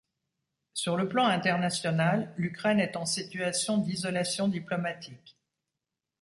Sur le plan international, l'Ukraine est en situation d'isolation diplomatique.